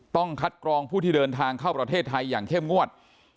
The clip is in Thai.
ต้องคัดกรองผู้ที่เดินทางเข้าประเทศไทยอย่างเข้มงวด